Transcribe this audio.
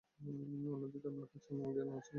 অন্যদিকে আপনার কাছে এমন জ্ঞান রয়েছে যা আমাকে মানায় না।